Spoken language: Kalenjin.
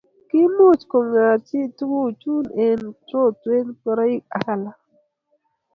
kimuch kenyorchi tunguik chu eng' rotwe, ngoroik ak alak